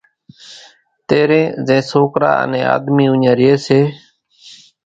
تيرين زين سوڪرا انين آۮمي اوڃان رئي سي۔